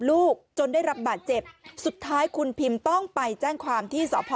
จนได้รับบาดเจ็บสุดท้ายคุณพิมต้องไปแจ้งความที่สพ